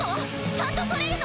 ちゃんと取れるの？